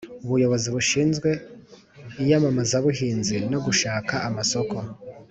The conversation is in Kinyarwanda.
ubuyobozi bushinzwe iyamamazabuhinzi no gushaka amasoko